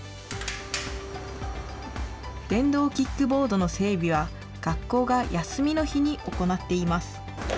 電動キックボードの整備は、学校が休みの日に行っています。